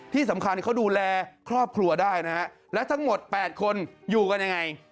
ที่สำคัญเขาดูแลครอบครัวได้นะฮะและทั้งหมด๘คนอยู่กันยังไง